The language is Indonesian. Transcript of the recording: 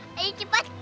kau akan kembali lagi